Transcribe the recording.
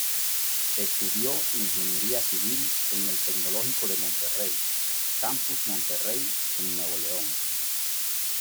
Estudió ingeniería civil en el Tecnológico de Monterrey, Campus Monterrey, en Nuevo León.